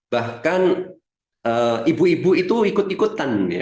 bahkan ibu ibu itu ikut ikutan